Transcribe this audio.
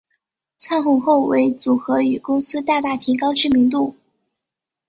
窜红后为组合与公司大大提高知名度。